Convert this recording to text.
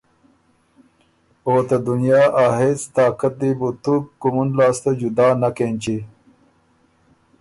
او ته دنیا ا هېڅ طاقت دی بُو ګه تُو مُن لاسته جُدا نک اېنچی